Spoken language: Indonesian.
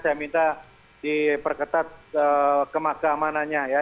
saya minta diperketat kemakamanannya ya